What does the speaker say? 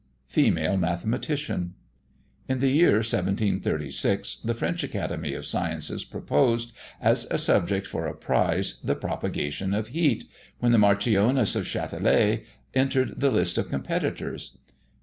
FEMALE MATHEMATICIAN. In the year 1736, the French Academy of Sciences proposed, as a subject for a prize, "the Propagation of Heat," when the Marchioness of Châtelet entered the list of competitors.